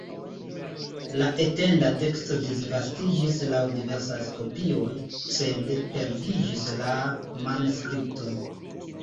La etenda teksto disvastiĝis laŭ diversaj kopioj, sed perdiĝis la manuskripto.